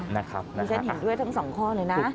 นี่ฉันเห็นด้วยทั้งสองข้อเลยนะ